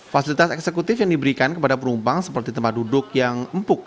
fasilitas eksekutif yang diberikan kepada penumpang seperti tempat duduk yang empuk